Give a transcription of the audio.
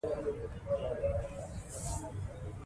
غږ په پښتو کې د پښتو لهجه ورکوي.